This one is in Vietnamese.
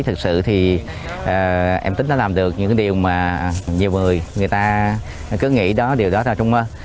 thật sự thì em tín đã làm được những cái điều mà nhiều người người ta cứ nghĩ đó điều đó ra trong mơ